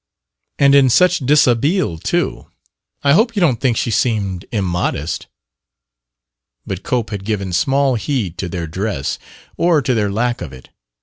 "And in such dishabille, too! I hope you don't think she seemed immodest?" But Cope had given small heed to their dress, or to their lack of it.